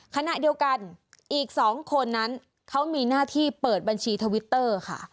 ขณะเดียวกันอีก๒คนนั้นเขามีหน้าที่เปิดบัญชีทวิตเตอร์ค่ะ